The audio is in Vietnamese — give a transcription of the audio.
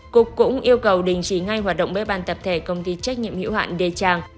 cục cũng yêu cầu đình chỉ ngay hoạt động bếp ăn tập thể công ty trách nhiệm hiểu hạn đê trang